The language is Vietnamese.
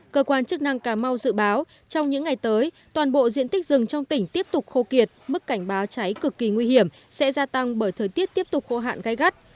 cơ quan chức năng cà mau dự báo trong những ngày tới toàn bộ diện tích rừng trong tỉnh tiếp tục khô kiệt mức cảnh báo cháy cực kỳ nguy hiểm sẽ gia tăng bởi thời tiết tiếp tục khô hạn gai gắt